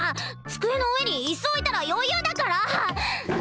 机の上にイス置いたら余裕だから！